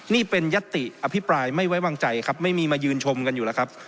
นี่เป็นยัตติอภิปรายไม่ไว้วางใจครับไม่มีมายืนชมกันอยู่แล้วครับ